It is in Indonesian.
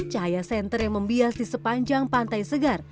cahaya senter yang membiasi sepanjang pantai segar